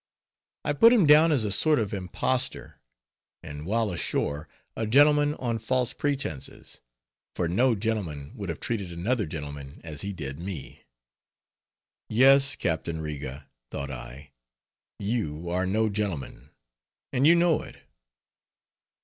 I put him down as a sort of impostor; and while ashore, a gentleman on false pretenses; for no gentleman would have treated another gentleman as he did me. Yes, Captain Riga, thought I, you are no gentleman, and you know it!